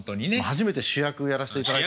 初めて主役やらせていただいた。